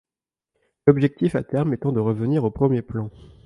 L’objectif à terme étant de revenir au premier plan.